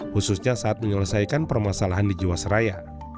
khususnya saat menyelesaikan permasalahan di jiwasraya